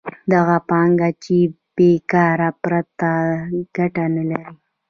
دغه پانګه چې بېکاره پرته ده ګټه نلري